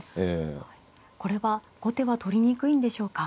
これは後手は取りにくいんでしょうか。